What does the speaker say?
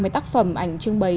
ba mươi tác phẩm ảnh trưng bày